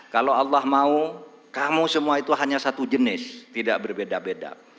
kalau allah mau kamu semua itu hanya satu jenis tidak berbeda beda